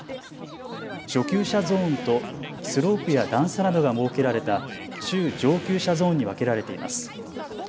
初級者ゾーンとスロープや段差などが設けられた中・上級者ゾーンに分けられています。